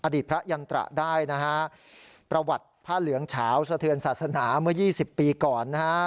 อดีตพระยันตระได้นะฮะประวัติผ้าเหลืองเฉาสะเทือนศาสนาเมื่อ๒๐ปีก่อนนะฮะ